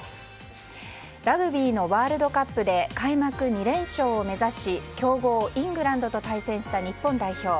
ラグビーのワールドカップで開幕２連勝を目指し強豪イングランドと対戦した日本代表。